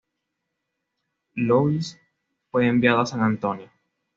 Louis fue enviado a San Antonio.